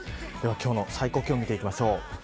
今日の最高気温を見ていきましょう。